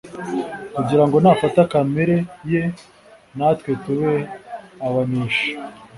kugira ngo nafata kamere ye natwe tube abaneshi.